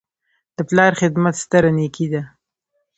د پلار خدمت ستره نیکي ده.